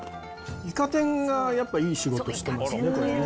いか天が、やっぱいい仕事してますね、これね。